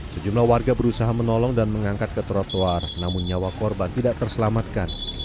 sejumlah warga berusaha menolong dan mengangkat ke trotoar namun nyawa korban tidak terselamatkan